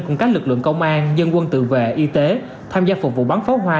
cùng các lực lượng công an dân quân tự vệ y tế tham gia phục vụ bắn pháo hoa